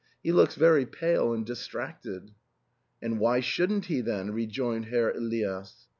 He looks very pale and distracted" "And why shouldn't he then?" rejoined Herr Elias.